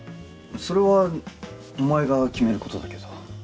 それはお前が決める事だけど。